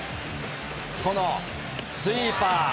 そのスイーパー。